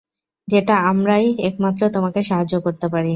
যেটা আমরাই একমাত্র তোমাকে সাহায্য করতে পারি।